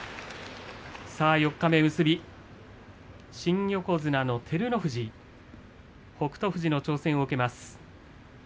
四日目の結び、新横綱の照ノ富士、北勝富士の挑戦を受けます。